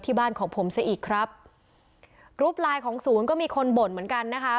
บ้านของผมซะอีกครับกรุ๊ปไลน์ของศูนย์ก็มีคนบ่นเหมือนกันนะคะ